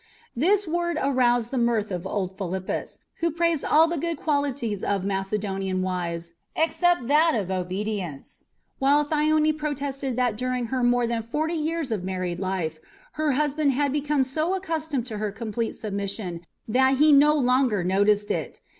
This word aroused the mirth of old Philippus, who praised all the good qualities of Macedonian wives except that of obedience, while Thyone protested that during her more than forty years of married life her husband had become so much accustomed to her complete submission than he no longer noticed it.